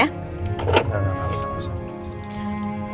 udah ada di buka ya